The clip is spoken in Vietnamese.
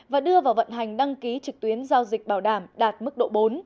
và đưa vào vận hành đăng ký trực tuyến giao dịch bảo đảm đạt mức độ bốn